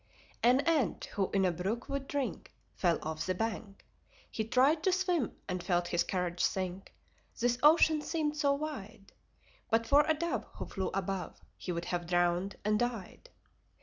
An Ant who in a brook would drink Fell off the bank. He tried To swim, and felt his courage sink This ocean seemed so wide. But for a dove who flew above He would have drowned and died.